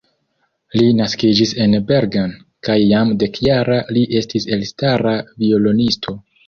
Li naskiĝis en Bergen, kaj jam dek-jara li estis elstara violonisto.